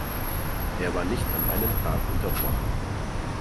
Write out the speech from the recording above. Er war nicht einen Tag unterbrochen.